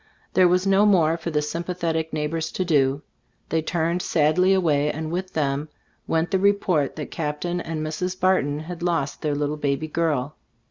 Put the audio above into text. There was no more for the sympathetic neighbors to do; they turned sadly away, and with them went the report that Cap tain and Mrs. Barton had lost their little baby girl.